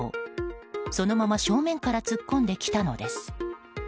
そのまま正面から突っ込んできたのです。